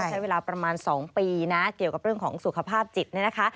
ใช้เวลาประมาณ๒ปีเกี่ยวกับเรื่องของสุขภาพจิต